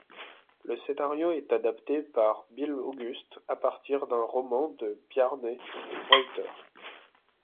Le scénario est adapté par Bille August à partir d'un roman de Bjarne Reuter.